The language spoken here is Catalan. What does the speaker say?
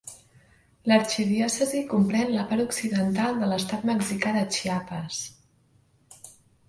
L'arxidiòcesi comprèn la part occidental de l'estat mexicà de Chiapas.